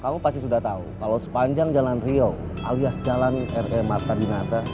kamu pasti sudah tau kalau sepanjang jalan rio alias jalan r e marta dinata